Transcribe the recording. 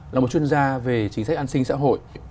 là một chuyên gia về chính sách an sinh xã hội